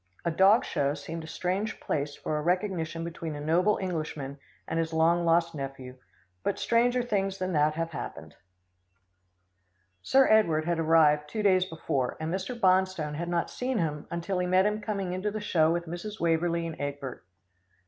A dog show seemed a strange place for a recognition between a noble Englishman and his long lost nephew, but stranger things than that have happened. Sir Edward had arrived two days before, and Mr. Bonstone had not seen him until he met him coming into the show with Mrs. Waverlee and Egbert.